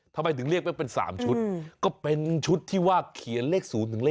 ทำไมถึงเรียกไปเป็น๓ชุดก็เป็นชุดที่ว่าเขียนเลข๐ถึงเลข